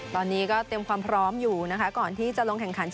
ตอนนี้ก็เตรียมความพร้อมอยู่นะคะก่อนที่จะลงแข่งขัน